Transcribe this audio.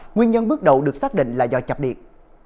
nguyên nhân bước đầu được xác định là do chập điện